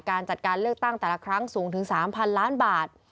การจัดการเลือกตั้งแต่ละครั้งสูงถึง๓๐๐๐ล้านบาท